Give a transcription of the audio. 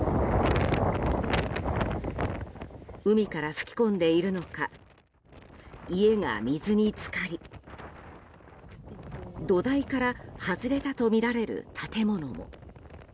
海から吹き込んでいるのか家が水に浸かり土台から外れたとみられる建物も。